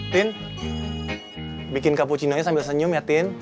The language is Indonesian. tin bikin cappuccino nya sambil senyum ya tin